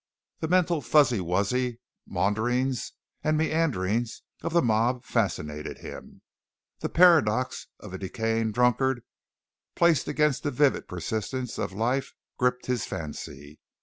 The mental, fuzzy wuzzy maunderings and meanderings of the mob fascinated him. The paradox of a decaying drunkard placed against the vivid persistence of life gripped his fancy.